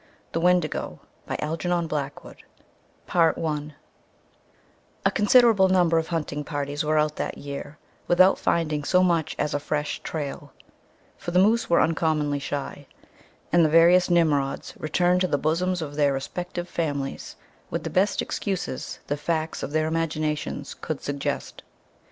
THE WENDIGO Algernon Blackwood 1910 I A considerable number of hunting parties were out that year without finding so much as a fresh trail; for the moose were uncommonly shy, and the various Nimrods returned to the bosoms of their respective families with the best excuses the facts of their imaginations could suggest.